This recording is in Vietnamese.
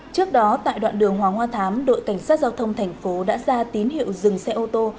trước đó tại đoạn đường hoàng hoa thám đội cảnh sát giao thông thành phố đã ra tín hiệu dừng xe ô tô